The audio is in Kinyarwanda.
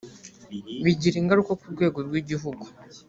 bigira ingaruka ku rwego rw igihugu